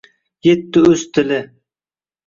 Yetdi o’z tili…